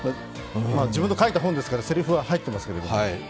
自分の書いた本ですからせりふは入ってますけれども。